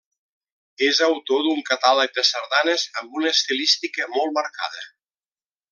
És autor d'un catàleg de sardanes amb una estilística molt marcada.